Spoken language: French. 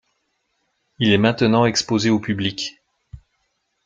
Il est maintenant exposé au public.